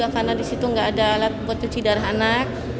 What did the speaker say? karena di situ tidak ada alat buat cuci darah anak